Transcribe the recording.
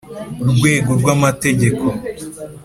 Rwego rw amategeko